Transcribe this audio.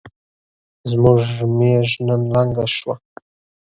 زموږ ميږ نن لنګه شوه